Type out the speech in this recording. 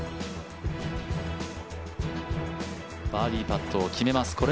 バーディーパットを決めます